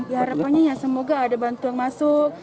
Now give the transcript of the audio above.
ya harapannya ya semoga ada bantuan masuk